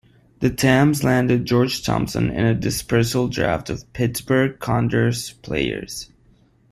The Tams landed George Thompson in a dispersal draft of Pittsburgh Condors players.